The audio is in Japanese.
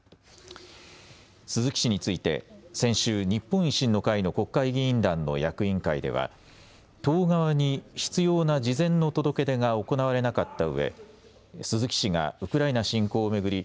鈴木氏について先週、日本維新の会の国会議員団の役員会では党側に必要な事前の届け出が行われなかったうえ鈴木氏がウクライナ侵攻を巡り